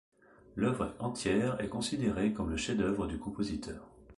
L'œuvre entière est considérée comme le chef-d'œuvre du compositeur.